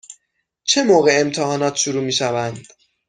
چه موقع امتحانات شروع می شوند؟